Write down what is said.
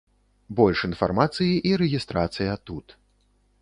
Больш інфармацыі і рэгістрацыя тут.